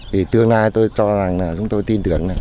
thì tương lai tôi cho rằng là chúng tôi tin tưởng